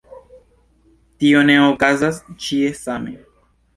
Tio ne okazas ĉie same.